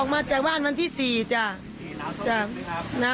มาจากบ้านวันที่๔จ้ะ